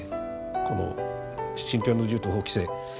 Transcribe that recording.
この「信教の自由」と法規制